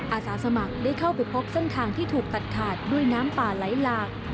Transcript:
อาสาสมัครได้เข้าไปพบเส้นทางที่ถูกตัดขาดด้วยน้ำป่าไหลหลาก